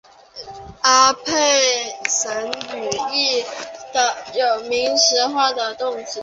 阿拉佩什语亦有名词化的动词。